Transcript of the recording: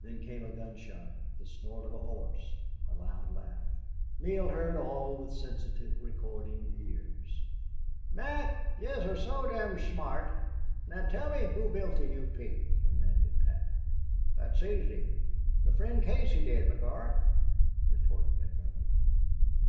Then came a gun shot, the snort of a horse, a loud laugh. Neale heard all with sensitive, recording ears. "Mac, yez are so dom' smart now tell me who built the U. P.?" demanded Pat. "Thot's asy. Me fri'nd Casey did, b'gorra," retorted McDermott.